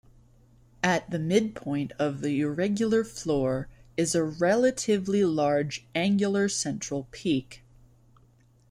At the midpoint of the irregular floor is a relatively large, angular central peak.